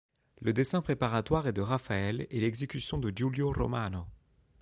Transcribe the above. Le dessin préparatoire est de Raphaël et l'exécution de Giulio Romano.